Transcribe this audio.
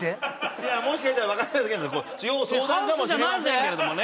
いやもしかしたらわかんないですけど要相談かもしれませんけれどもね。